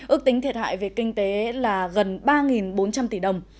ước tính thiệt hại về kinh tế là gần ba bốn trăm linh tỷ đồng